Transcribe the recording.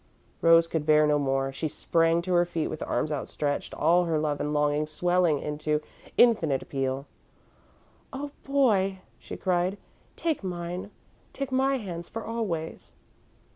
Rose could bear no more. She sprang to her feet with arms outstretched, all her love and longing swelling into infinite appeal. "Oh Boy!" she cried, "take mine! Take my hands, for always!"